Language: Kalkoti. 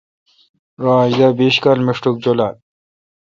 رو اج دا بیش کال مݭٹک جولال۔